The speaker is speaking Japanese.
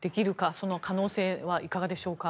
その可能性はいかがでしょうか。